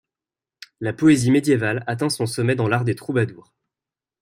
La poésie médiévale atteint son sommet dans l'art des troubadours.